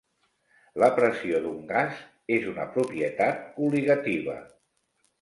La pressió d'un gas és una propietat col·ligativa.